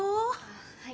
はい。